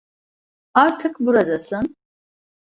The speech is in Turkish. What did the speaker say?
Artık buradasın.